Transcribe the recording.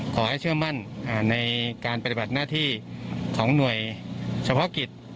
ขอให้เชื่อมั่นในการปฏิบัติหน้าที่ของหน่วยเฉพาะกิจ